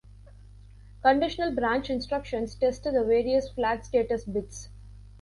Conditional-branch instructions test the various flag status bits.